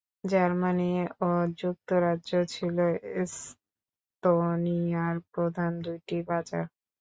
Germany ও যুক্তরাজ্য ছিল এস্তোনিয়ার প্রধান দুইটি বাজার।